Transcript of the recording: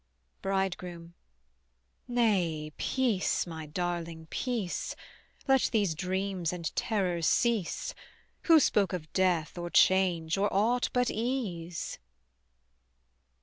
BRIDEGROOM. Nay, peace, my darling, peace: Let these dreams and terrors cease: Who spoke of death or change or aught but ease?